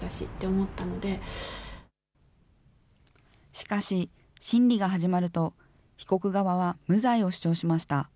しかし、審理が始まると、被告側は無罪を主張しました。